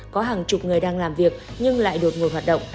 có hàng chục người đang làm việc nhưng lại đột ngột hoạt động